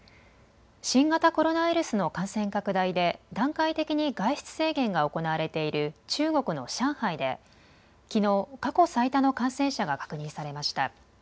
新型コロナウイルスの感染拡大で段階的に外出制限が行われている中国の上海できのう過去最多の感染者が確認されました。